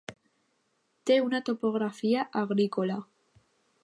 Té una topografia agrícola.